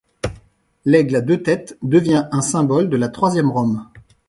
L’aigle à deux têtes devient un symbole de la Troisième Rome.